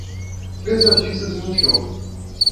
Três artistas em um show.